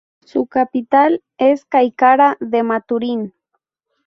Su capital es Caicara de Maturín.